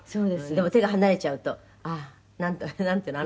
「でも手が離れちゃうとああなんていうの？」